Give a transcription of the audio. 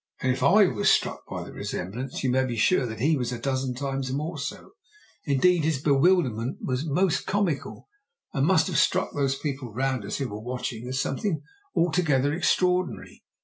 And if I was struck by the resemblance, you may be sure that he was a dozen times more so. Indeed, his bewilderment was most comical, and must have struck those people round us, who were watching, as something altogether extraordinary.